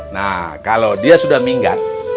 nah kalau dia sudah minggat